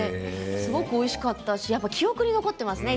すごくおいしかったしやっぱり記憶に残っていますね。